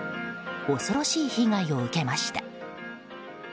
恐ろしい被害を受けました。